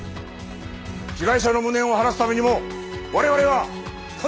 被害者の無念を晴らすためにも我々は必ずホシを挙げる！